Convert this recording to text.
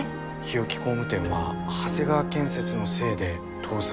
日置工務店は長谷川建設のせいで倒産したのかも。